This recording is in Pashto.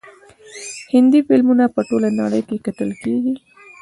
هندي فلمونه په ټوله نړۍ کې کتل کیږي.